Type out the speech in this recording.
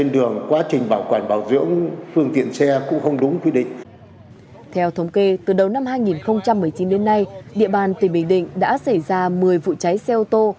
địa bàn tỉnh bình định đã xảy ra một mươi vụ cháy xe ô tô